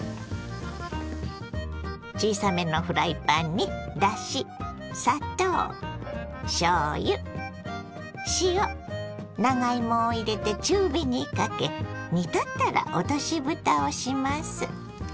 小さめのフライパンにだし砂糖しょうゆ塩長芋を入れて中火にかけ煮立ったら落としぶたをします。